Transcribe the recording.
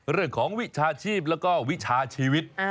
เรื่องของวิชาชีพแล้วก็วิชาชีวิต